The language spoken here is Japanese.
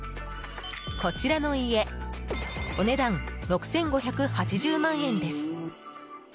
こちらの家お値段６５８０万円です。